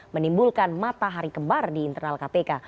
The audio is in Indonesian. menimbulkan matahari kembar di internal kpk